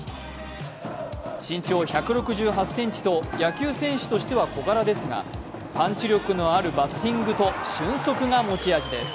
身長１６８ｃｍと野球選手としては小柄ですがパンチ力のあるバッティングと俊足が持ち味です。